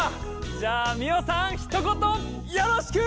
じゃあミオさんひと言よろしく！